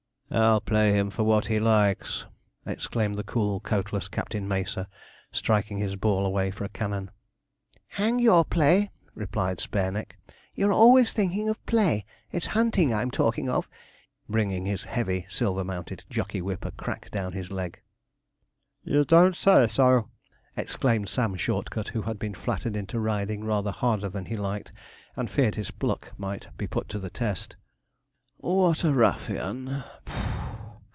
"' 'I'll play him for what he likes!' exclaimed the cool, coatless Captain Macer, striking his ball away for a cannon. 'Hang your play!' replied Spareneck; 'you're always thinking of play it's hunting I'm talking of.' bringing his heavy, silver mounted jockey whip a crack down his leg. 'You don't say so!' exclaimed Sam Shortcut, who had been flattered into riding rather harder than he liked, and feared his pluck might be put to the test. 'What a ruffian!'